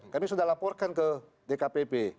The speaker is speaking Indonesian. kami sudah laporkan ke dkpp